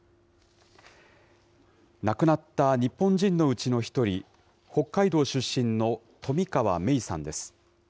亡くなった日本人のうちの１人、北海道出身の冨川芽生さんです。